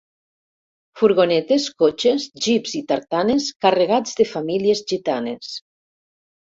Furgonetes, cotxes, jeeps i tartanes carregats de famílies gitanes.